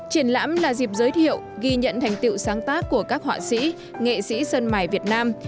triển lãm là dịp giới thiệu ghi nhận thành tựu sáng tác của các họa sĩ nghệ sĩ sân mài việt nam